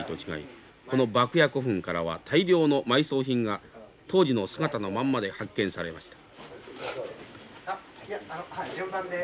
この牧野古墳からは大量の埋葬品が当時の姿のまんまで発見されました。